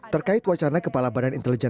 terkait wacana kepala badan intelijen